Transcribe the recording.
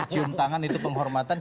cium tangan itu penghormatan